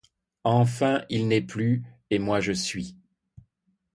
Enfin, il n’est plus, et moi je suis !